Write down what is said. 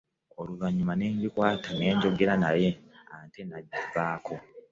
Oluvanyuma nenjikwaata ne njogera naye ate n'avaako .